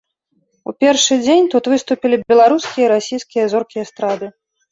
У першы дзень тут выступілі беларускія і расійскія зоркі эстрады.